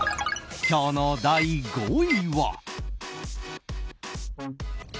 今日の第５位は。